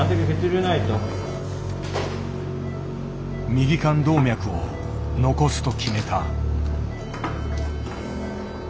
右肝動脈を残すと決めた。